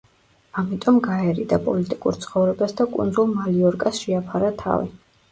ამიტომ გაერიდა პოლიტიკურ ცხოვრებას და კუნძულ მალიორკას შეაფარა თავი.